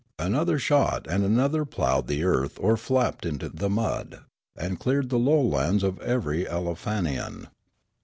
Another shot and another ploughed the earth or flapped into the mud, and cleared the lowlands of every Aleofanian.